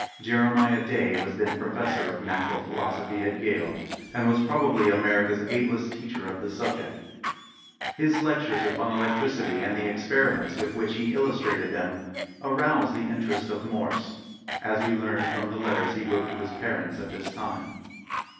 Jeremiah Day was then professor of natural philosophy at Yale, and was probably America's ablest teacher of the subject. His lectures upon electricity and the experiments with which he illustrated them aroused the interest of Morse, as we learn from the letters he wrote to his parents at this time.